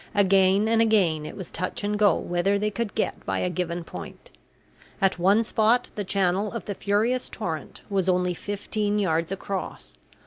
Again and again it was touch and go whether they could get by a given point. At one spot the channel of the furious torrent was only fifteen yards across.